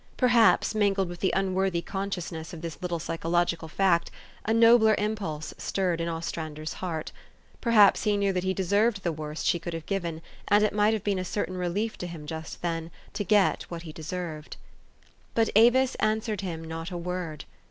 Perhaps, mingled with the unworthy consciousness of this little psychological fact, a nobler impulse stirred in Ostrander's heart. Perhaps he knew that he de served the worst she could have given, and it might have been a certain relief to him just then, to get what he deserved. 340 THE STOKY OF AVIS. But Avis answered him not a word.